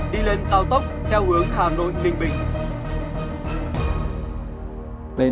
đi lên cao tốc theo hướng hà nội ninh bình